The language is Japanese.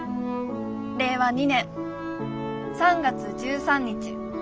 令和２年３月１３日